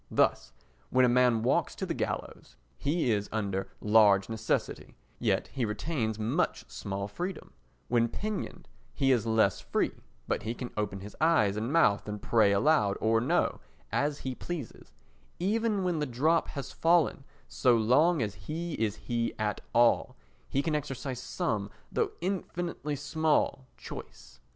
Thus, when a man walks to the gallows, he is under large necessity, yet he retains much small freedom; when pinioned, he is less free, but he can open his eyes and mouth and pray aloud or no as he pleases; even when the drop has fallen, so long as he is "he" at all, he can exercise some, though infinitely small, choice.